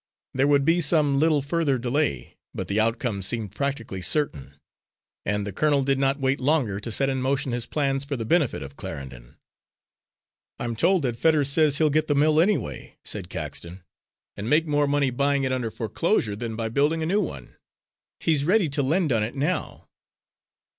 There would be some little further delay, but the outcome seemed practically certain, and the colonel did not wait longer to set in motion his plans for the benefit of Clarendon. "I'm told that Fetters says he'll get the mill anyway," said Caxton, "and make more money buying it under foreclosure than by building a new one. He's ready to lend on it now."